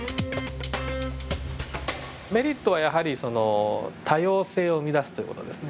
メリットはやはりその多様性を生み出すという事ですね。